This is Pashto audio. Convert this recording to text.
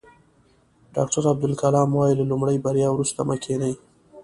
ډاکټر عبدالکلام وایي له لومړۍ بریا وروسته مه کینئ.